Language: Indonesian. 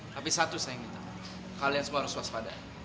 tapi satu sayang kita kalian semua harus waspada